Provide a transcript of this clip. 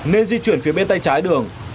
nên di chuyển phía bên tay trái đường